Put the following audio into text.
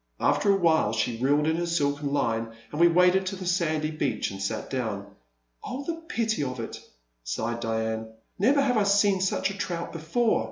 After a while she reeled in her silken line, and we waded to the sandy beach and sat down. Oh, the pity of it, '' sighed Diane ;never have I seen such a trout before.